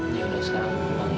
dia udah selalu memanggil